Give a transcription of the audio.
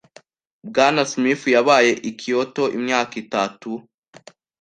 Bwana Smith yabaye i Kyoto imyaka itatu.